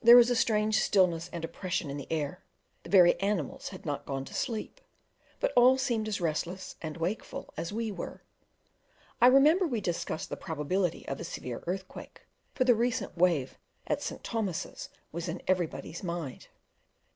There was a strange stillness and oppression in the air; the very animals had not gone to sleep, but all seemed as restless and wakeful as we were. I remember we discussed the probability of a severe earthquake, for the recent wave at St. Thomas's was in everybody's mind.